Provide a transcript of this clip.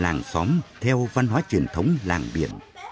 làng xóm theo văn hóa truyền thống làng biển